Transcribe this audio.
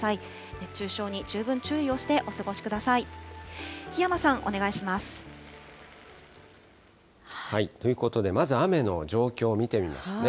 熱中症に十分注意をしてお過ごしください。ということで、まず雨の状況を見てみますね。